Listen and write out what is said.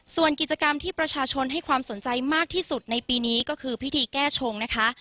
ส่วนกิจกรรมที่ประชาชนให้ความสนใจมากที่สุดในปีนี้ก็คือพิธีแก้ชงนะคะ